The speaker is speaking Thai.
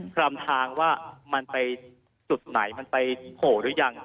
ลำทางว่ามันไปจุดไหนมันไปโผล่หรือยัง